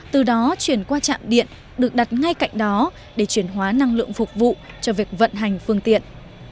từ đó chuyển qua trạm điện được đặt ngay cạnh đó để chuyển hóa năng lượng phục vụ cho việc vận hành phương tiện